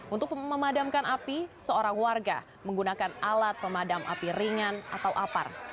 untuk memadamkan api seorang warga menggunakan alat pemadam api ringan atau apar